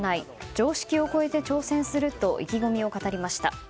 常識を超えて挑戦すると意気込みを語りました。